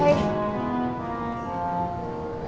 bye selamat tinggal